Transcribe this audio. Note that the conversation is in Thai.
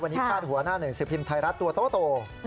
วันนี้พาดหัวหน้าหนึ่งสิบพิมพ์ไทยรัฐตัวโต